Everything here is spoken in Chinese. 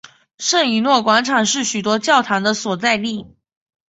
圣以诺广场是许多教堂的所在地。